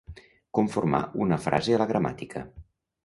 Conformar una frase a la gramàtica.